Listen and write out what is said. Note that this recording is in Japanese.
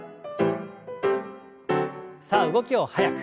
さあ動きを速く。